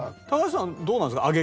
高橋さんどうなんですか？